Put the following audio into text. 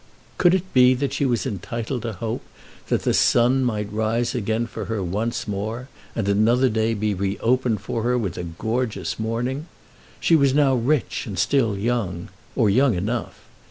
Could it be that she was entitled to hope that the sun might rise again for her once more and another day be reopened for her with a gorgeous morning? She was now rich and still young, or young enough.